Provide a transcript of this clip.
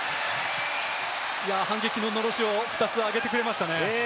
反撃ののろしを２つ上げてくれましたね。